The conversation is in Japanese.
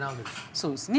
そうですね。